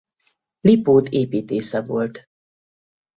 Lipót építésze volt.